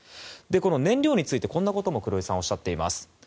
この燃料についてこんなことも黒井さんはおっしゃっています。